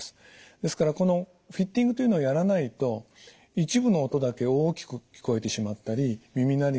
ですからこのフィッティングというのをやらないと一部の音だけ大きく聞こえてしまったり耳鳴りがしたり。